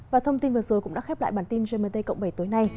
và thông tin vừa rồi cũng đã khép lại bản tin gmt cộng bảy tối nay